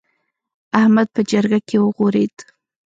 احمد په جرګه کې وغورېد.